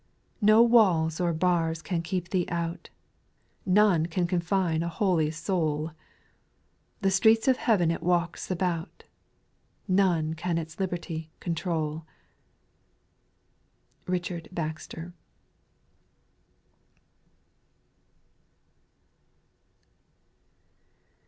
6. No walls or bars can keep Thee out ; None can confine a holy soul ; The streets of heaven it walks about, None can its liberty control. RICHARD BAXTER.